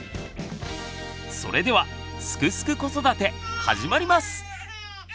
それでは「すくすく子育て」始まります！